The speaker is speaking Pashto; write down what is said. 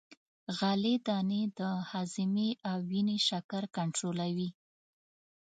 غلې دانې د هاضمې او وینې شکر کنترولوي.